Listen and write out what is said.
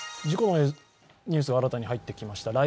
事故のニュースが新たに入ってきました。